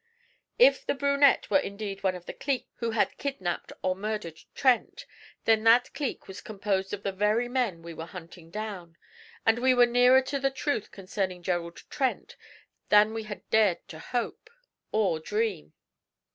If the brunette were indeed one of the 'clique' who had kidnapped or murdered Trent, then that clique was composed of the very men we were hunting down, and we were nearer to the truth concerning Gerald Trent than we had dared to hope or dream.